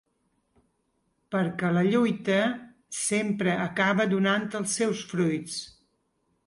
Perquè la lluita sempre acaba donant els seus fruits.